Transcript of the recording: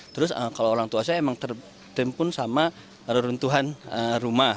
terus kalau orang tua saya memang tertimpun sama rurun tuhan rumah